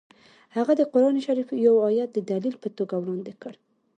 هغه د قران شریف یو ایت د دلیل په توګه وړاندې کړ